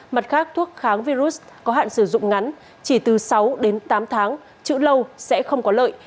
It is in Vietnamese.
mặt khác thuốc kháng virus có hạn sử dụng ngắn chỉ từ sáu đến tám tháng chữ lâu sẽ không có lợi